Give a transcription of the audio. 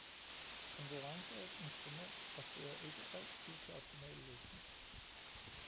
Konkurrence er et instrument og fører ikke altid til optimale løsninger.